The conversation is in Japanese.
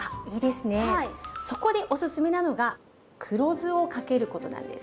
そこでおすすめなのが黒酢をかけることなんです。